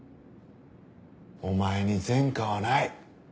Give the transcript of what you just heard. お前に前科はない。